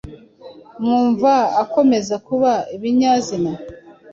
mwumva akomeza kuba ibinyazina?